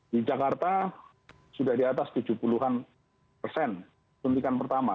di jakarta sudah di atas tujuh puluh an persen suntikan pertama